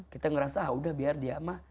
kita ngerasa ah udah biar dia mah